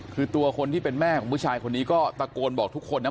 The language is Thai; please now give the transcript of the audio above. คือตัวคนที่เป็นแม่ของผู้ชายคนนี้ก็ตะโกนบอกทุกคนนะ